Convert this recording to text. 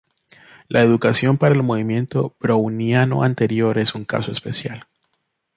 La ecuación para el movimiento browniano anterior es un caso especial.